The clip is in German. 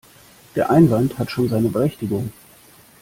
Der Einwand hat schon seine Berechtigung.